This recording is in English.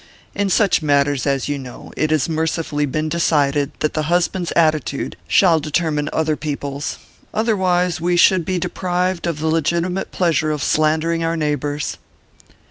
In such matters, as you know, it has mercifully been decided that the husband's attitude shall determine other people's; otherwise we should be deprived of the legitimate pleasure of slandering our neighbours."